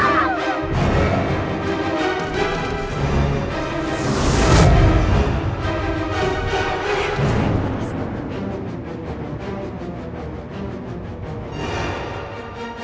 pak pak pak